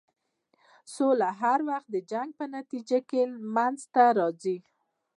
سوله هر وخت د جنګ په نتیجه کې منځته راځي.